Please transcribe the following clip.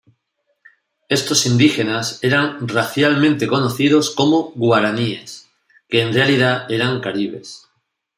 Estos indígenas eran racialmente conocidos como guaraníes que en realidad eran caribes.